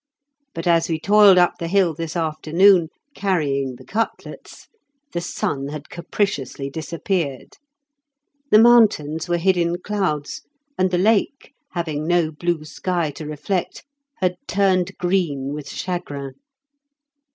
But as we toiled up the hill this afternoon, carrying the cutlets, the sun had capriciously disappeared. The mountains were hid in clouds, and the lake, having no blue sky to reflect, had turned green with chagrin.